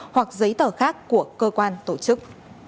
hoặc giấy tờ khác của cơ quan tổ chức